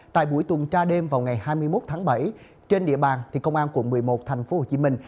tại buổi tuần tra đêm vào ngày hai mươi một tháng bảy trên địa bàn công an quận một mươi một thành phố hồ chí minh